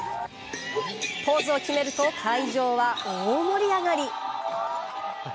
ポーズを決めると会場は大盛り上がり。